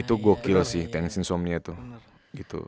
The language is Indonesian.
itu gokil sih tanks insomnia itu